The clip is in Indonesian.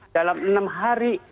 dalam enam hari